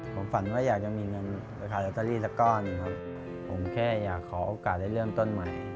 ผมฝันว่าอยากจะมีเงินไปขายลอตเตอรี่สักก้อนหนึ่งครับผมแค่อยากขอโอกาสได้เริ่มต้นใหม่